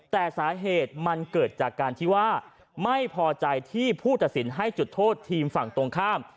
แต่สาเหตุมันเกิดจากการที่ว่าไม่พอใจที่ผู้ตัดสินให้จุดโทษทีมฝั่งตรงข้าม